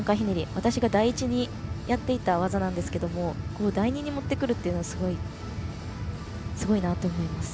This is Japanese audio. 私が第１にやっていた技なんですが第２に持ってくるというのはすごいなと思います。